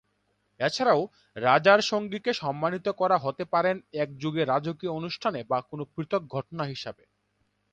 এছাড়াও, রাজার সঙ্গীকে সম্মানিত করা হতে পারে পারেন একযোগে রাজকীয় অনুষ্ঠানে বা কোনো পৃথক ঘটনা হিসাবে।